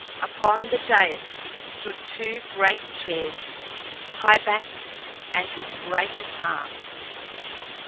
Upon the dais stood two great chairs, highbacked and with great arms.